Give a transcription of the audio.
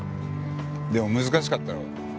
でも難しかったろ。